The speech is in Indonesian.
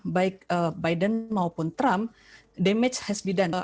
baik biden maupun trump damage has been done